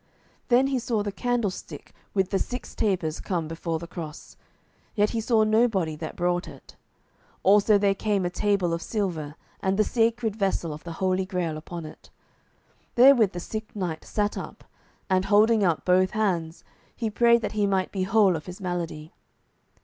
Then he saw the candlestick with the six tapers come before the cross, yet he saw nobody that brought it. Also there came a table of silver, and the sacred vessel of the Holy Grail upon it. Therewith the sick knight sat up, and, holding up both hands, he prayed that he might be whole of his malady.